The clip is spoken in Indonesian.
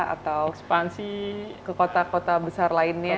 atau ekspansi ke kota kota besar lainnya